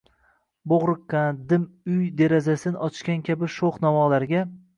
Boʻgʻriqqan, dim uy derazasin ochgan kabi shoʻx navolarga —